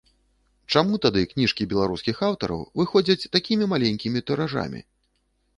Чаму тады кніжкі беларускіх аўтараў выходзяць такімі маленькімі тыражамі?